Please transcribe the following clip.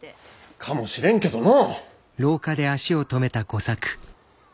かもしれんけどの。